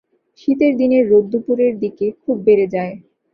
শীতের দিনের রোদ দুপুরের দিকে খুব বেড়ে যায়।